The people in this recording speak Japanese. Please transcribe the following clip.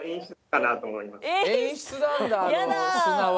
演出なんだあの砂は。